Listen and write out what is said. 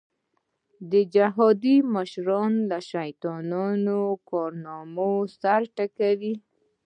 د جهادي مشرانو له شیطاني کارنامو سر وټکاوه.